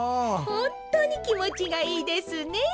ほんとうにきもちがいいですねえ。